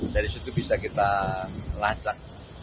dari situ bisa kita lacak